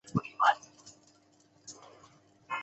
沙磁文化区由前重庆大学校长胡庶华极力倡导。